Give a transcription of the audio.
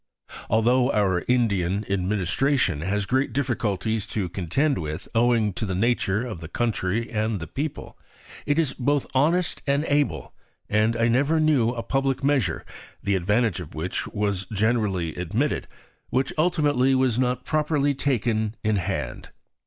Although our Indian administration has great difficulties to contend with owing to the nature of the country and the people, it is both honest and able; and I never knew a public measure, the advantage of which was generally admitted, which ultimately was not properly taken in hand.